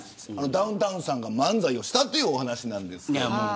ダウンタウンさんが漫才をしたというお話なんです。